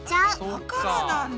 だからなんだ。